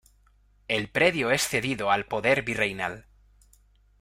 El predio es cedido al poder virreinal.